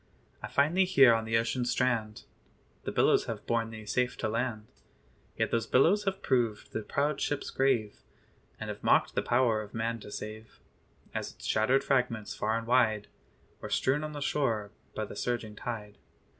I find thee here on the ocean strand; The billows have borne thee safe to land: Yet those billows have proved the proud ship's grave, And have mocked the power of man to save, As its shattered fragments far and wide Were strewn on the shore by the surging tide.